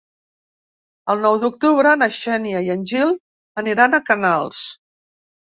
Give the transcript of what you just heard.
El nou d'octubre na Xènia i en Gil aniran a Canals.